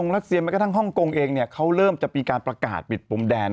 แล้วทั้งฮ่องโกงเองเขาเริ่มจะมีการประกาศบิดปุ่มแดน